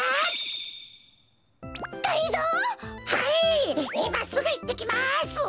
いますぐいってきます！